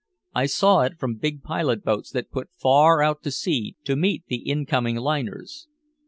I saw it from big pilot boats that put far out to sea to meet the incoming liners.